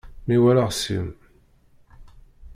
Mi waleɣ seg-m.